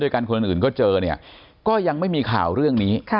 กันคนอื่นก็เจอเนี่ยก็ยังไม่มีข่าวเรื่องนี้